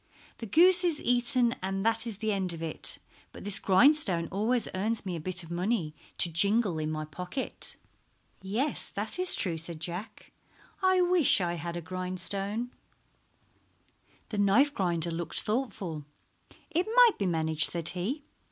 The goose is eaten and that is the end of it, but this grindstone always earns me a bit of money to jingle in my pocket." "Yes, that is true," said Jack. "I wish I had a grindstone." The knife grinder looked thoughtful. "It might be managed," said he.